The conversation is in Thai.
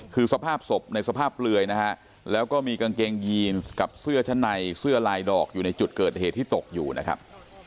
คือสภาพศพในสภาพเปลือยนะฮะแล้วก็มีกางเกงยีนกับเสื้อชั้นในเสื้อลายดอกอยู่ในจุดเกิดเหตุที่ตกอยู่นะครับ